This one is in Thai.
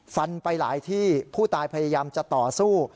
ฟันไปหลายที่ผู้ตายพยายามจะต่อสู้